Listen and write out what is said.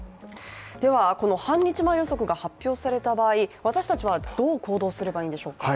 では、半日前予測が発表された場合、私たちはどう行動すればいいのでしょうか。